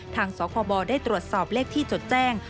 ทางสคบได้ตรวจสอบเลขที่จดแจ้ง